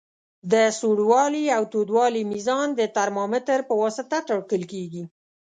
د سوړوالي او تودوالي میزان د ترمامتر پواسطه ټاکل کیږي.